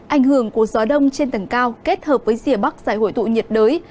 ảnh hưởng của gió đông trên tầng cao kết hợp với rìa bắc giải hội tụ nhiệt đới